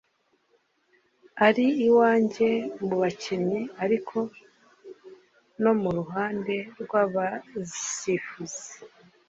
ari iwanjye mu bakinnyi ariko no mu ruhande rw’abasifuzi